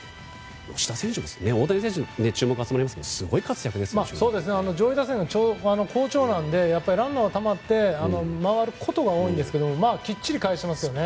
大谷選手に注目集まりますが吉田選手上位打線が好調なのでランナーがたまって回ることが多いんですがきっちりと返しますよね。